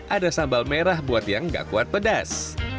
ada sambal merah buat yang gak kuat pedas